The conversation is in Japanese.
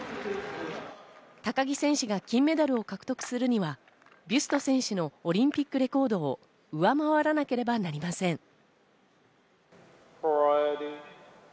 高木選手が金メダルを獲得するにはビュスト選手のオリンピックレコードを上回らなければなりません。